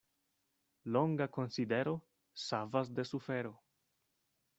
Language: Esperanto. Longa konsidero savas de sufero.